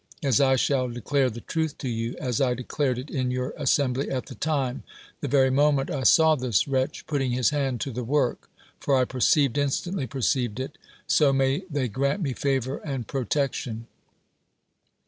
As I shall declare the truth to you, as I declared it in your assembly at the time, the very moment I saw this wretch putting his hand to the work — for I per ceived, instantly perceived it — so may they grant me favor and protection